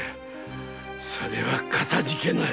それはかたじけない。